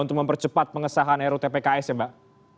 untuk mempercepat pengesahan ru tpks ya mbak